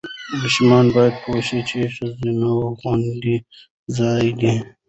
ماشوم باید پوه شي چې ښوونځي خوندي ځای دی.